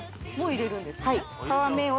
もう入れるんですね？